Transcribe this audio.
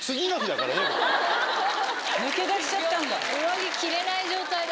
抜け出しちゃったんだ。